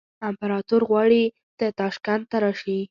امپراطور غواړي ته تاشکند ته راشې.